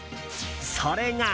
それが。